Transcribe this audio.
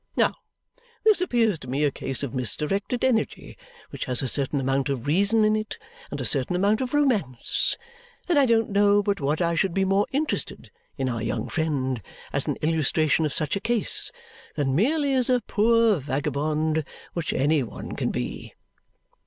Now, this appears to me a case of misdirected energy, which has a certain amount of reason in it and a certain amount of romance; and I don't know but what I should be more interested in our young friend, as an illustration of such a case, than merely as a poor vagabond which any one can be."